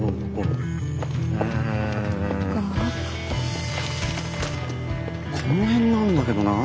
うんこの辺なんだけどなあ。